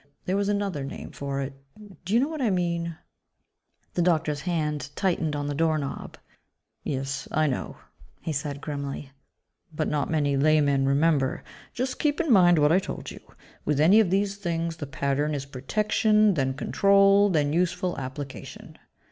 There was another name for it. Do you know what I mean?" The doctor's hand tightened on the doorknob. "Yes, I know," he said grimly, "but not many laymen remember. Just keep in mind what I told you. With any of these things, the pattern is protection, then control, then useful application."